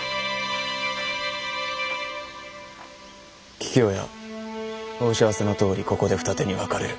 桔梗屋申し合わせのとおりここで二手に分かれる。